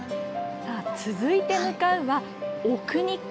さあ、続いて向かうは、奥日光。